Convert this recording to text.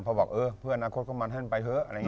พ่อบอกเฮ้อเพื่อนอนาคตก็มาให้มันไปเฮ้ออะไรอย่างเนี่ย